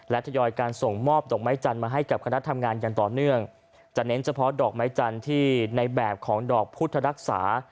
และทยอยการส่งมอบดอกไม้จันทร์มาให้กับคณะทำงานอย่างต่อเนื่องจะเน้นเฉพาะดอกไม้จันทร์ที่ในแบบของดอกพุทธรักษา